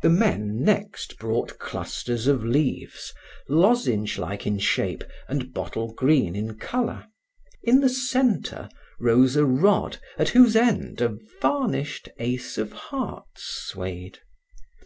The men next brought clusters of leaves, lozenge like in shape and bottle green in color. In the center rose a rod at whose end a varnished ace of hearts swayed.